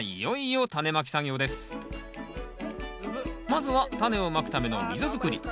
まずはタネをまくための溝作り。